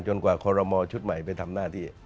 กว่าคอรมอชุดใหม่ไปทำหน้าที่